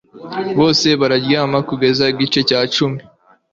Bose bararyama kugeza igice cya cumi